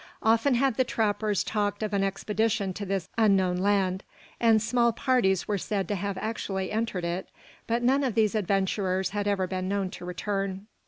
Often had the trappers talked of an expedition to this unknown land; and small parties were said to have actually entered it, but none of these adventurers had ever been known to return.